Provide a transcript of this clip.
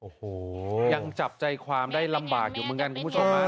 โอ้โหยังจับใจความได้ลำบากอยู่เหมือนกันคุณผู้ชมฮะ